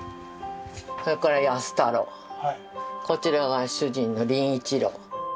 それから康太郎こちらが主人の林一郎。